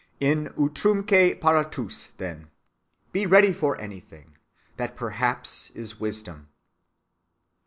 "In utrumque paratus, then. Be ready for anything—that perhaps is wisdom.